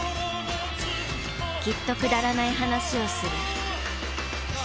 きっとくだらない話をする。